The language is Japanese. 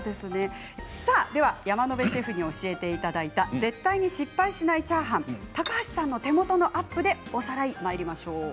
さあでは山野辺シェフに教えていただいた絶対に失敗しないチャーハン高橋さんの手元のアップでおさらいまいりましょう。